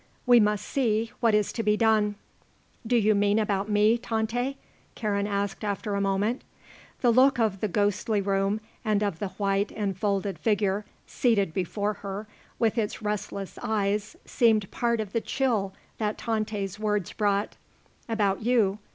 We must see what is to be done." "Do you mean about me, Tante?" Karen asked after a moment. The look of the ghostly room and of the white, enfolded figure seated before her with its restless eyes seemed part of the chill that Tante's words brought. "About you.